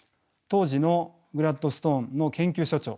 当時のグラッドストーンの研究所長。